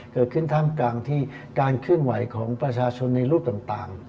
ท่ามกลางที่การเคลื่อนไหวของประชาชนในรูปต่าง